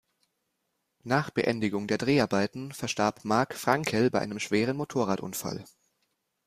Nach Beendigung der Dreharbeiten verstarb Mark Frankel bei einem schweren Motorradunfall.